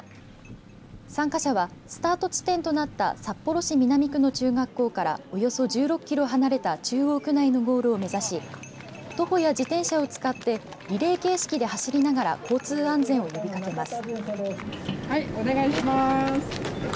参加者はスタート地点となった札幌市南区の中学校からおよそ１６キロ離れた中央区内のゴールを目指し徒歩や自転車を使ってリレー形式で走りながら交通安全を呼びかけます。